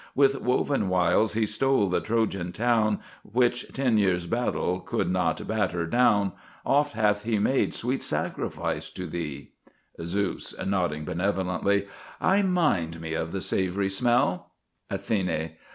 With woven wiles he stole the Trojan town Which ten years' battle could not batter down: Oft hath he made sweet sacrifice to thee. ZEUS (nodding benevolently). I mind me of the savoury smell. ATHENE.